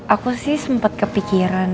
aku sih sempet kepikiran